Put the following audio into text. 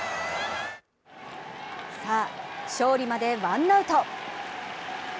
さあ、勝利までワンアウト。